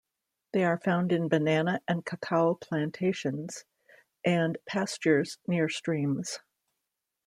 They are found in banana and cacao plantations, and pastures near streams.